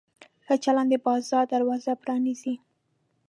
ښه چلند د بازار دروازه پرانیزي.